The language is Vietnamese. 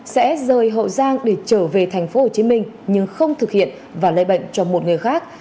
sẽ rời hậu giang để trở về tp hcm nhưng không thực hiện và lây bệnh cho một người khác